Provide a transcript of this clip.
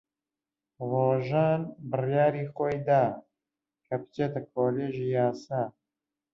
ڕۆژان بڕیاری خۆی دا کە بچێتە کۆلێژی یاسا.